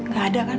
gak ada kan